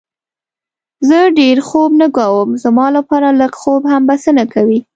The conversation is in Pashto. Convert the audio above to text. زه ډېر خوب نه کوم، زما لپاره لږ خوب هم بسنه کوي.